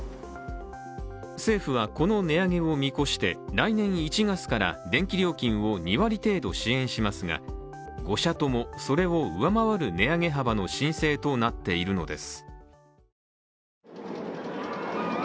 政府はこの値上げを見越して来年１月から電気料金を２割程度支援しますが、５社ともそれを上回る値上げ幅の申請となっているのです。